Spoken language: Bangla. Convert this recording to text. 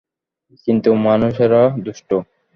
কিন্তু মানুষেরা দুষ্টু!